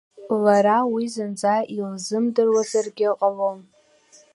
Лара уи зынӡа илзымдырӡозаргьы ҟалон.